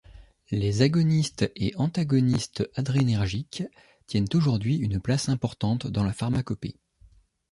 Les agonistes et antagonistes adrénergiques tiennent aujourd'hui une place importante dans la pharmacopée.